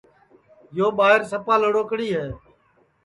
رادھاں سپا لڑوکڑی ہے